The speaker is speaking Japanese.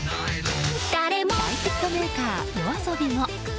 大ヒットメーカーＹＯＡＳＯＢＩも。